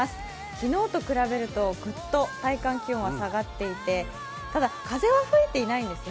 昨日と比べるとぐっと体感気温が下がっていてただ、風は吹いていないんですね。